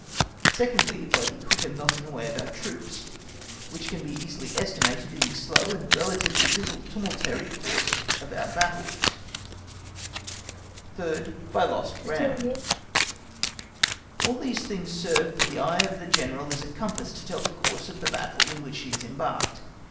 Secondly, by the quicker melting away of our troops, which can be easily estimated in the slow and relatively(*) little tumultuary course of our battles. (*) Relatively, that is say to the shock of former days. Thirdly, by lost ground. All these things serve for the eye of the General as a compass to tell the course of the battle in which he is embarked.